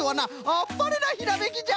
あっぱれなひらめきじゃ。